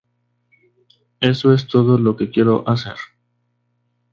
Eso es todo lo que quiero hacer.